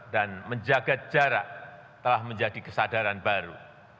dan menjaga jarak telah menjadi kesadaran baru